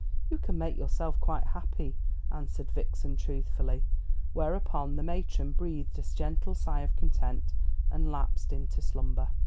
You can make yourself quite happy," answered Vixen truthfully; whereupon the matron breathed a gentle sigh of content, and lapsed into slumber.